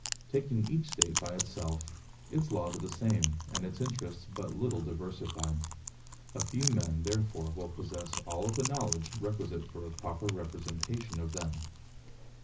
Taking each State by itself, its laws are the same, and its interests but little diversified. A few men, therefore, will possess all the knowledge requisite for a proper representation of them.